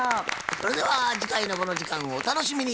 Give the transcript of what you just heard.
それでは次回のこの時間をお楽しみに。